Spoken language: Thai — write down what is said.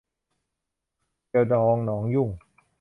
เกี่ยวดองหนองยุ่ง